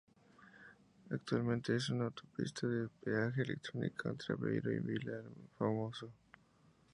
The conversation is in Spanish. Actualmente, es una autopista de peaje electrónico entre Aveiro y Vilar Formoso.